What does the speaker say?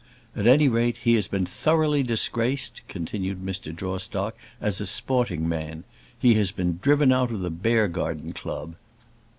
"At any rate he has been thoroughly disgraced," continued Mr. Jawstock, "as a sporting man. He has been driven out of the Beargarden Club."